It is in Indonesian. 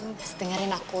pasti dengerin aku